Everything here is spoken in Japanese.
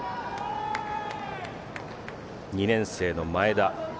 ２年生の前田。